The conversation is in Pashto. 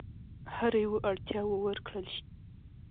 هر یوه اړتیاوو ورکړل شي.